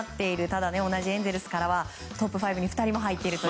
ただ、同じエンゼルスからはトップ５に２人も入っています。